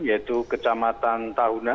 yaitu kecamatan tahuna